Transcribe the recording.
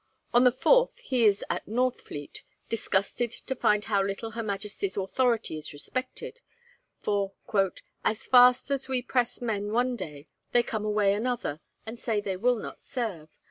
On the 4th he is at Northfleet, disgusted to find how little her Majesty's authority is respected, for 'as fast as we press men one day, they come away another, and say they will not serve.